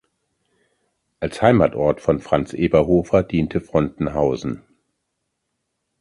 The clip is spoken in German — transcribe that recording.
Als Heimatort von Franz Eberhofer diente Frontenhausen.